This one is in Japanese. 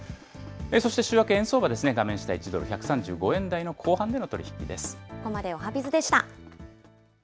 そして週明け円相場ですね、画面下、１ドル１３５円台後半での取り引きです。